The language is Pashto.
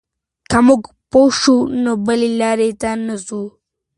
که موږ پوه شو، نو بې لارۍ ته نه ځو.